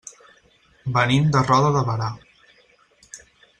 Venim de Roda de Berà.